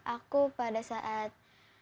aku pada saat